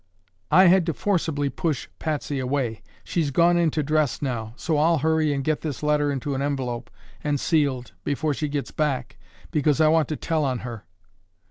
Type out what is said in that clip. "I had to forcibly push Patsy away. She's gone in to dress now, so I'll hurry and get this letter into an envelope and sealed before she gets back because I want to tell on her.